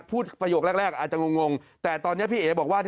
ประโยคแรกอาจจะงงแต่ตอนนี้พี่เอ๋บอกว่า